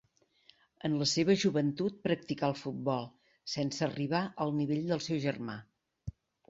En la seva joventut practicà el futbol, sense arribar al nivell del seu germà.